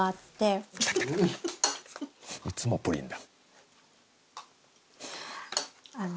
いつもプリンだ。